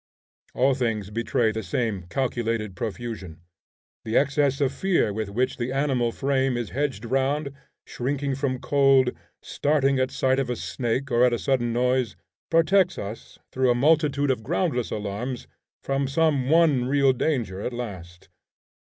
All things betray the same calculated profusion. The excess of fear with which the animal frame is hedged round, shrinking from cold, starting at sight of a snake, or at a sudden noise, protects us, through a multitude of groundless alarms, from some one real danger at last.